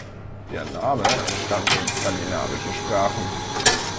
Der Name entstammt den skandinavischen Sprachen.